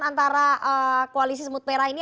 antara koalisi semut merah ini